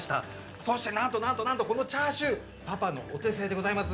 そしてなんとなんとなんと、このチャーシュー、パパのお手製でございます。